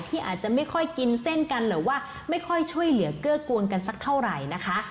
ที่อาจจะไม่ค่อยกินเส้นกันหรือว่าไม่ค่อยช่วยเหลือเกื้อกูลกันสักเท่าไหร่นะคะ